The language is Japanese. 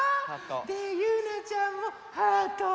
でゆうなちゃんもハート。